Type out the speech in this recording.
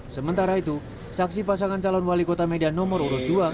sementara itu saksi pasangan calon wali kota medan nomor urut dua